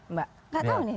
mbak gak tau nih